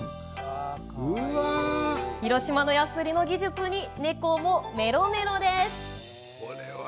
広島のやすりの技術に猫もメロメロです。